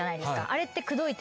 あれって。